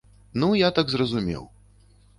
Ну я так зразумеў.